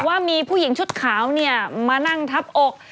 ว่ามีผู้หญิงชุดขาวเนี่ยมานั่งทับอก